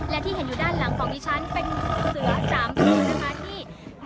และที่เห็นอยู่ด้านหลังของดิฉันเป็นเสือ๓ตัวนะคะที่